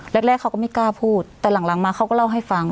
แรกเขาก็ไม่กล้าพูดแต่หลังมาเขาก็เล่าให้ฟัง